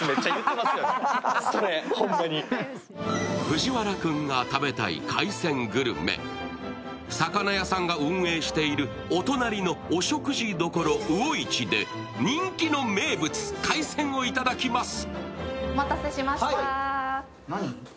藤原君が食べたい海鮮グルメ、魚屋さんが運営しているお隣のお食事処魚一で人気の名物、海鮮を頂きます。